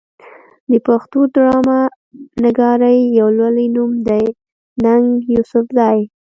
د پښتو ډرامه نګارۍ يو لوئې نوم دی ننګ يوسفزۍ